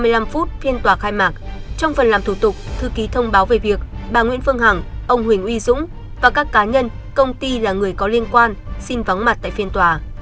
tám giờ ba mươi năm phút phiên tòa khai mạc trong phần làm thủ tục thư ký thông báo về việc bà nguyễn phương hằng ông huỳnh uy dũng và các cá nhân công ty là người có liên quan xin vắng mặt tại phiên tòa